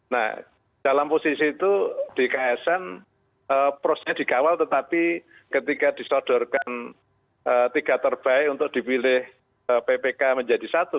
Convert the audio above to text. nah dalam posisi itu di ksn prosesnya dikawal tetapi ketika disodorkan tiga terbaik untuk dipilih ppk menjadi satu